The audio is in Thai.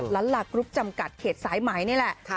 ลากรุ๊ปจำกัดเขตสายไหมนี่แหละ